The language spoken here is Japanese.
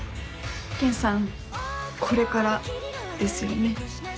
ケンさんこれからですよね？